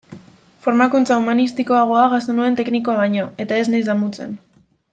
Formakuntza humanistikoagoa jaso nuen teknikoa baino, eta ez naiz damutzen.